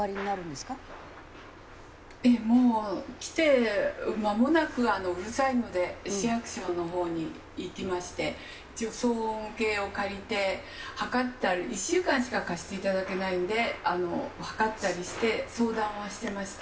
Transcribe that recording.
もう来て間もなくうるさいので市役所のほうに行きまして一応騒音計を借りて測った１週間しか貸していただけないんで測ったりして相談はしてました。